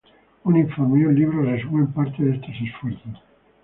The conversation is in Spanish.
Un informe y un libro resumen parte de estos esfuerzos.